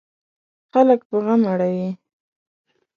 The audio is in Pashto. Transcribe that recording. خلک په غم اړوي.